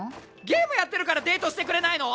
ゲームやってるからデートしてくれないの！？